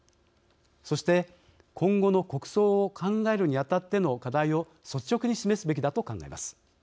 そして、今後の国葬を考えるにあたっての課題を率直に示すべきだと考えます。